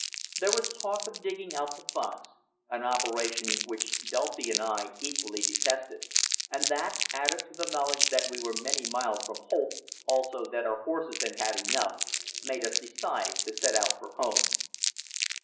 There was talk of digging out the fox an operation which Dulcie and I equally detested and that, added to the knowledge that we were many miles from Holt, also that our horses had had enough, made us decide to set out for home.